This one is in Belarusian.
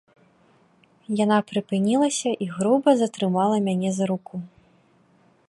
Яна прыпынілася і груба затрымала мяне за руку.